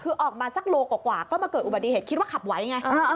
คือออกมาสักโลกว่าก็มาเกิดอุบัติเหตุคิดว่าขับไหวไง